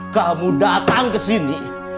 kamu datang kesini